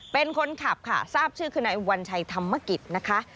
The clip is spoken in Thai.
เป็นคนขับค่ะทราบชื่อคือนายวัญชัยธรรมกิจนะคะ